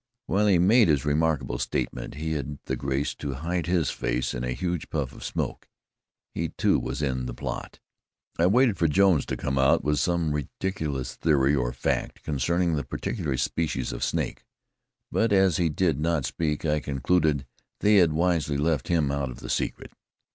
While he made this remarkable statement, he had the grace to hide his face in a huge puff of smoke. He, too, was in the plot. I waited for Jones to come out with some ridiculous theory or fact concerning the particular species of snake, but as he did not speak, I concluded they had wisely left him out of the secret.